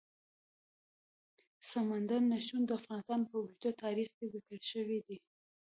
سمندر نه شتون د افغانستان په اوږده تاریخ کې ذکر شوی دی.